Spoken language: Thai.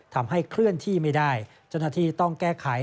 ทำให้เคลื่อนที่ไม่ได้เจ้าหน้าที่ต้องแก้ไข